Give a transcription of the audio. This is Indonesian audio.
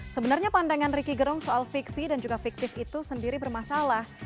sebenarnya pandangan ricky gerung soal fiksi dan juga fiktif itu sendiri bermasalah